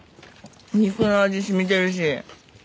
肉の味染みてるし。